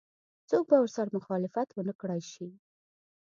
څوک به ورسره مخالفت ونه کړای شي.